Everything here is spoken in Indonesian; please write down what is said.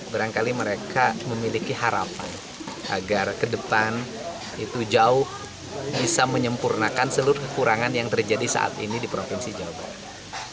barangkali mereka memiliki harapan agar ke depan itu jauh bisa menyempurnakan seluruh kekurangan yang terjadi saat ini di provinsi jawa barat